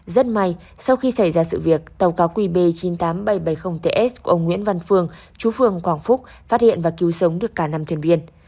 rất may sau khi xảy ra sự việc tàu cá qb chín mươi tám nghìn bảy trăm bảy mươi ts của ông nguyễn văn phương chú phường quảng phúc phát hiện và cứu sống được cả năm thuyền viên